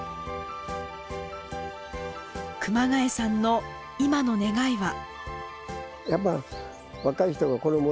熊谷さんの今の願いは。